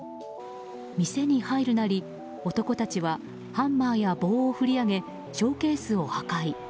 店に入るなり男たちはハンマーや棒を振り上げショーケースを破壊。